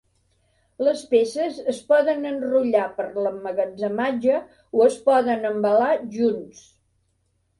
Les peces es poden enrotllar per l'emmagatzematge o es poden embalar junts.